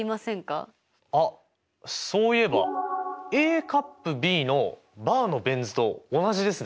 あっそういえばＡ∪Ｂのバーのベン図と同じですね。